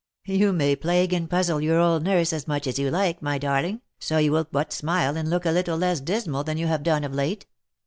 "" You may plague and puzzle your old nurse as much as you like, my darling, so you will but smile and look a little less dismal than you have done of late.